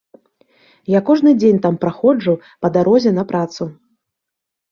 Я кожны дзень там праходжу па дарозе на працу.